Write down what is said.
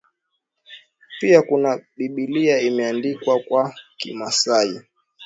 pia kuna Biblia imeandikwa kwa kimasai